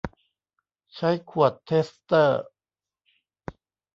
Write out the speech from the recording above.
ใช้ขวดเทสเตอร์